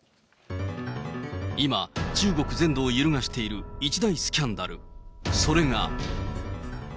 今、中国全土を揺るがしている一大スキャンダル、それが。